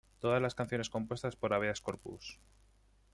Todas las canciones compuestas por Habeas Corpus.